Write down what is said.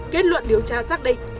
kết luận điều tra xác định